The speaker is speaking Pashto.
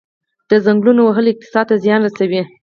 د ځنګلونو وهل اقتصاد ته زیان رسوي؟